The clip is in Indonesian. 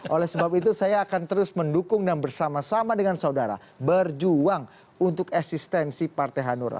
oleh sebab itu saya akan terus mendukung dan bersama sama dengan saudara berjuang untuk eksistensi partai hanura